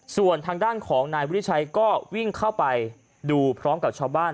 ส่วนทางด้านของนายวิริชัยก็วิ่งเข้าไปดูพร้อมกับชาวบ้าน